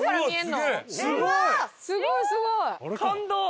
すごいすごい！感動！